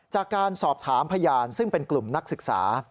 จากการสอบถามพยานซึ่งเป็นกลุ่มนักศึกษา